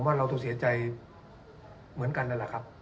ผมว่าเราจะเศรียดใจเหมือนกันนั่นนะครับ